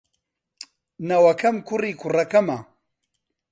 نەوەکەم کوڕی کوڕەکەمە.